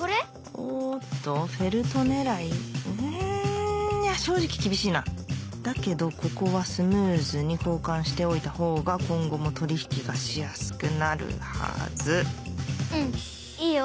おっとフェルト狙いん正直厳しいなだけどここはスムーズに交換しておいたほうが今後も取引がしやすくなるはずうんいいよ。